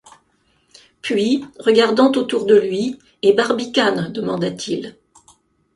Puis, regardant autour de lui :« Et Barbicane ? demanda-t-il.